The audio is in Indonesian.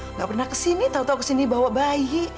enggak pernah ke sini tau tau ke sini bawa bayi